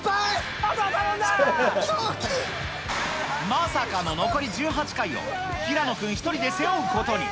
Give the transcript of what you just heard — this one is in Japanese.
まさかの残り１８回を、平野君１人で背負うことに。